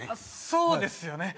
そうですよね